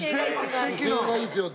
姿勢がいいですよ。